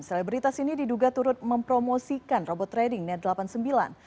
selebritas ini diduga turut mempromosikan robot trading net delapan puluh sembilan